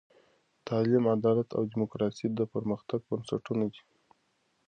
تعلیم، عدالت او دیموکراسي د پرمختګ بنسټونه دي.